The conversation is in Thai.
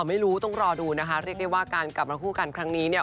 ไม่รู้ต้องรอดูนะคะเรียกได้ว่าการกลับมาคู่กันครั้งนี้เนี่ย